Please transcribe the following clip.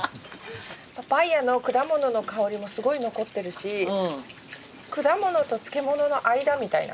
パパイアの果物の香りもすごい残ってるし果物と漬物の間みたいな。